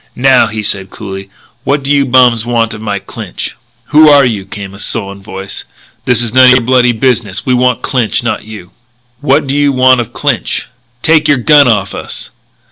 "Now," he said coolly, "what do you bums want of Mike Clinch?" "Who are you?" came a sullen voice. "This is none o' your bloody business. We want Clinch, not you." "What do you want of Clinch?" "Take your gun off us!"